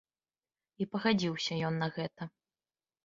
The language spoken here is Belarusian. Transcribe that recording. І пагадзіўся ён на гэта.